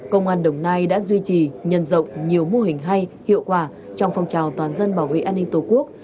công an đồng nai đã duy trì nhân rộng nhiều mô hình hay hiệu quả trong phong trào toàn dân bảo vệ an ninh tổ quốc